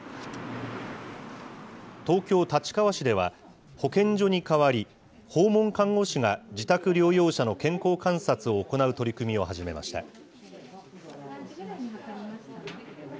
東京・立川市では、保健所に代わり、訪問看護師が自宅療養者の健康観察を行う取り組みを始めました。